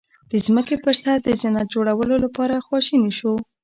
د ځمکې په سر د جنت جوړولو لپاره خواشني شو.